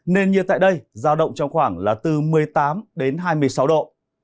nên như tại đây ra động trong khoảng là từ một mươi tám hai mươi sáu độ